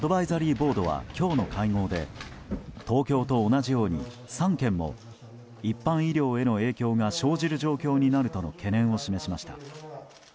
ボードは今日の会合で東京と同じように３県も一般医療への影響が生じる状況になるとの懸念を示しました。